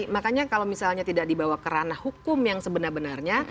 makanya kalau misalnya tidak dibawa kerana hukum yang sebenarnya